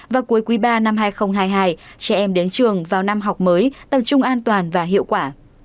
và cuối quý ba năm hai nghìn hai mươi hai trẻ em đến trường vào năm học mới tập trung an toàn và hiệu quả